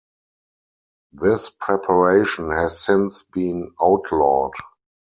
This preparation has since been outlawed.